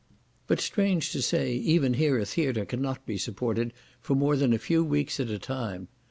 But, strange to say, even here a theatre cannot be supported for more than a few weeks at a time.